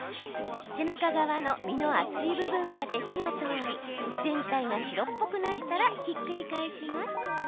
背中側の身の厚い部分まで火が通り全体が白っぽくなったらひっくり返します。